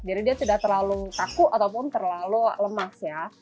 jadi dia tidak terlalu taku ataupun terlalu lemas ya